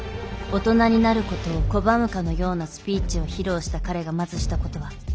大人になることを拒むかのようなスピーチを披露した彼がまずしたことは。